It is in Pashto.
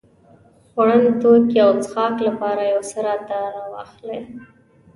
خوړن توکي او څښاک لپاره يو څه راته راواخلې.